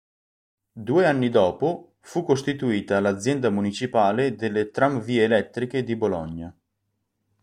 Due anni dopo fu costituita l'Azienda Municipale delle Tramvie Elettriche di Bologna.